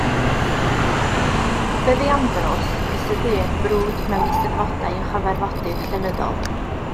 Fe fu Ambrose yn gystadleuydd brwd mewn eisteddfodau a chyfarfodydd llenyddol.